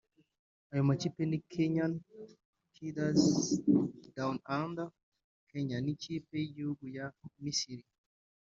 Ayo makipe ni Kenyan Kiders Downunder (Kenya) n’ikipe y’igihugu ya Misiri